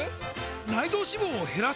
内臓脂肪を減らす！？